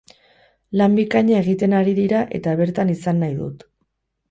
Lan bikaina egiten ari dira eta bertan izan nahi dut.